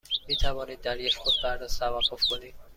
می توانید در یک خودپرداز توقف کنید؟